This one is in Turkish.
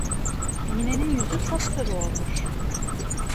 Emine'nin yüzü sapsarı olmuş…